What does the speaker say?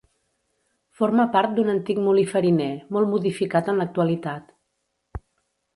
Forma part d'un antic molí fariner, molt modificat en l'actualitat.